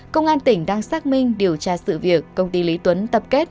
công an tỉnh đang xác minh điều tra sự việc công ty lý tuấn tập kết